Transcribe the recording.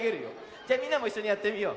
じゃみんなもいっしょにやってみよう。